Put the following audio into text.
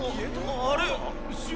・あれ？